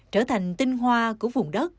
trở thành tinh hoa của vùng đất